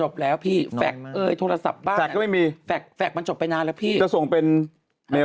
จบแล้วพี่แฟคโทรศัพท์บ้างนะแฟคมันจบไปนานแล้วพี่แฟคก็ไม่มี